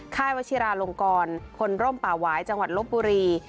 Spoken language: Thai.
ค่ายวชิราโรงกรผ่นร่มป่าหวายจังหวัดลบบุรี